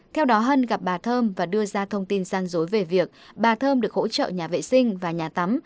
theo đó hân gặp bà thơm và đưa ra thông tin gian dối về việc bà thơm được hỗ trợ nhà vệ sinh và nhà tắm